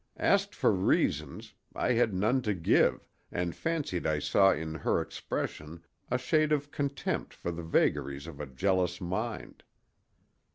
Asked for reasons, I had none to give and fancied I saw in her expression a shade of contempt for the vagaries of a jealous mind.